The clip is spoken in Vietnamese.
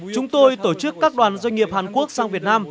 chúng tôi tổ chức các đoàn doanh nghiệp hàn quốc sang việt nam